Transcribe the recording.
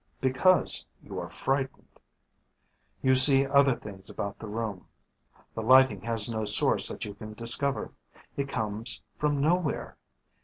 Because you are frightened. You see other things about the room. The lighting has no source that you can discover. It comes from nowhere.